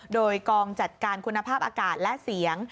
โดยกองจัดการคุณภาพอากาศและเสียง